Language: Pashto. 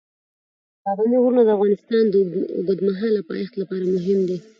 پابندي غرونه د افغانستان د اوږدمهاله پایښت لپاره مهم دي.